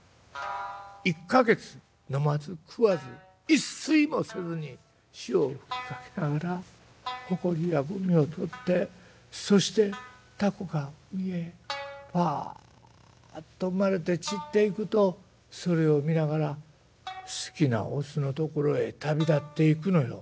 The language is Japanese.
１か月飲まず食わず一睡もせずに潮を吹きかけながらほこりやゴミを取ってそしてタコが海へパッと生まれて散っていくとそれを見ながら好きなオスのところへ旅立っていくのよ。